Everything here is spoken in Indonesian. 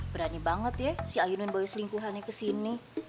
berani banget ya si ainun bawa selingkuhannya ke sini